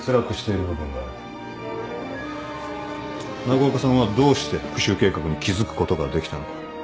長岡さんはどうして復讐計画に気付くことができたのか。